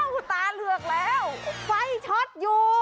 ว้าวตาเหลือแล้วไฟชอตอยู่